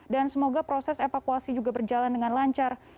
dan semoga proses evakuasi juga berjalan dengan lancar